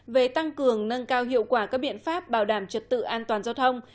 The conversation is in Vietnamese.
về tăng cường nâng cao hiệu quả các biện pháp bảo đảm trật tự an toàn giao thông